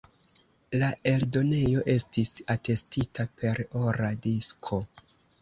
La eldonejo estis atestita per ora disko.